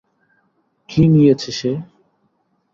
কী নিয়েছে সে?